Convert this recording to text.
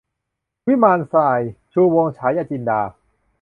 วิมานทราย - ชูวงศ์ ฉายะจินดา